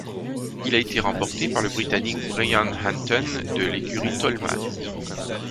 Il a été remporté par le britannique Brian Henton, de l'écurie Toleman.